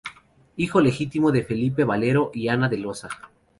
Hijo legítimo de Felipe Valero y Ana de Losa.